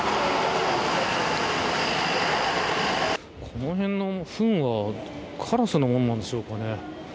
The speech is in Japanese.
この辺のふんはカラスのものなんでしょうかね。